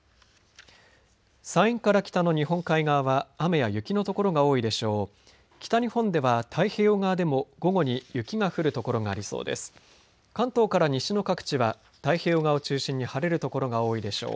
山陰から北の日本海側は雨や雪の所が多いでしょう。